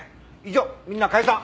以上みんな解散。